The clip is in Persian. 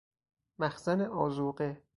مخزن آذوقه